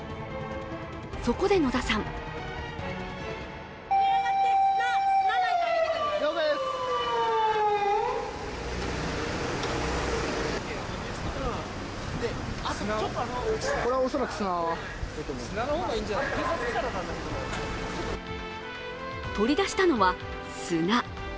そこで野田さん取り出したのは砂。